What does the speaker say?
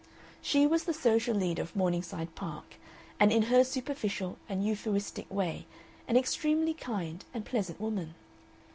She was the social leader of Morningside Park, and in her superficial and euphuistic way an extremely kind and pleasant woman.